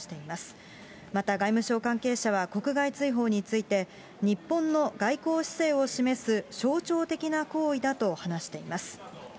また、外務省関係者は国外追放について、日本の外交姿勢を示す象徴的な行為だと話しています。